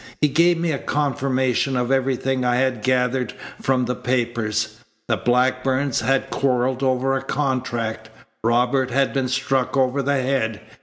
He gave me a confirmation of everything I had gathered from the papers. The Blackburns had quarrelled over a contract. Robert had been struck over the head.